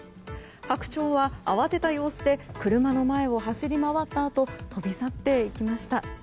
ハクチョウは慌てた様子で車の前を走り回ったあと飛び去って行きました。